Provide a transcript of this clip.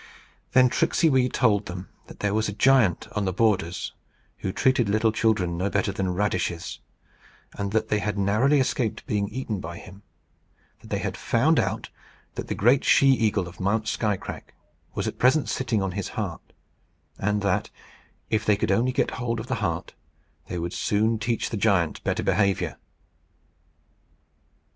Then Tricksey Wee told them that there was a giant on the borders who treated little children no better than radishes, and that they had narrowly escaped being eaten by him; that they had found out that the great she eagle of Mount Skycrack was at present sitting on his heart; and that, if they could only get hold of the heart, they would soon teach the giant better behaviour.